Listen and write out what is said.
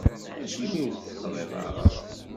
Acimi ur d-teqḍiḍ ara?